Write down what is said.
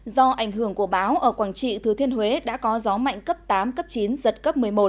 do ảnh hưởng của báo ở quảng trị thừa thiên huế đã có gió mạnh cấp tám cấp chín giật cấp một mươi một